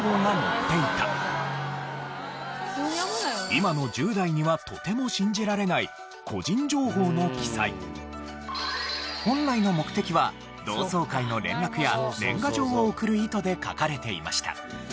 今の１０代にはとても信じられない本来の目的は同窓会の連絡や年賀状を送る意図で書かれていました。